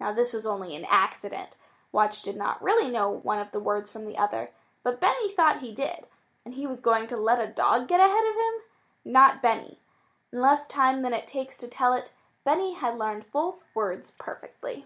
Now, this was only an accident. Watch did not really know one of the words from the other. But Benny thought he did. And was he going to let a dog get ahead of him? Not Benny! In less time than it takes to tell it, Benny had learned both words perfectly.